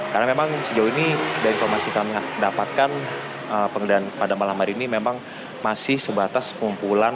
karena memang sejauh ini dan informasi yang kami dapatkan penggeledahan pada malam hari ini memang masih sebatas kumpulan